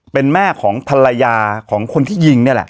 เป็นแม่ของภรรยาของคนที่ยิงนี่แหละ